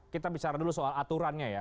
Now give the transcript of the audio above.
kita bicara dulu soal aturannya ya